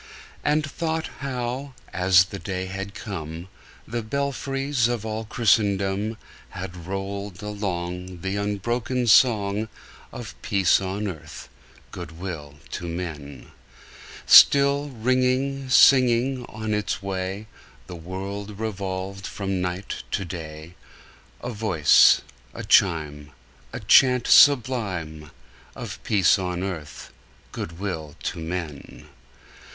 And thought how, as the day had come, The belfries of all Christendom Had rolled along The unbroken song Of peace on earth, good will to men! Till, ringing, singing on its way, The world revolved from night to day, A voice, a chime, A chant sublime Of peace on earth, good will to men!